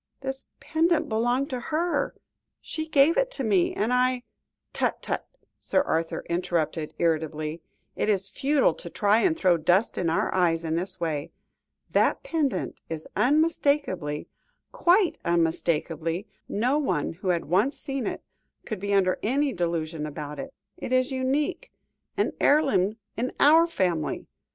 "This pendant belonged to her; she gave it to me, and I " "Tut, tut!" Sir Arthur interrupted irritably; "it is futile to try and throw dust in our eyes in this way. That pendant is unmistakable quite unmistakable no one who had once seen it, could be under any delusion about it. It is unique an heirloom in our family.